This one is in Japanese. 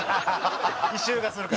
異臭がするから？